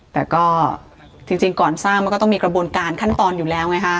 แต่ก็จริงก่อนสร้างมันก็ต้องมีกระบวนการขั้นตอนอยู่แล้วไงฮะ